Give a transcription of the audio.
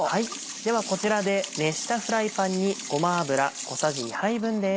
ではこちらで熱したフライパンにごま油小さじ２杯分です。